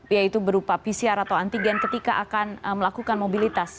yaitu berupa pcr atau antigen ketika akan melakukan mobilitas